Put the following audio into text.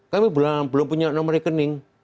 kami belum punya nomor rekening